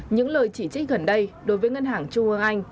những lời chỉ trích gần đây đối với ngân hàng trung ương anh